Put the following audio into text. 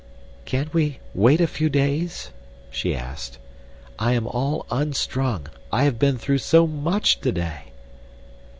"Can't we wait a few days?" she asked. "I am all unstrung. I have been through so much today."